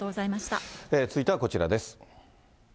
続いてはこちらです。